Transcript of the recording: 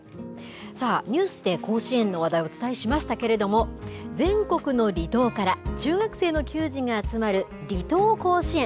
さあ、ニュースで甲子園の話題、お伝えしましたけれども、全国の離島から中学生の球児が集まる離島甲子園。